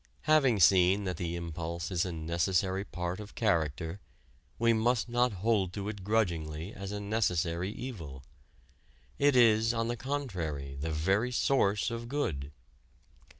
Having seen that the impulse is a necessary part of character, we must not hold to it grudgingly as a necessary evil. It is, on the contrary, the very source of good.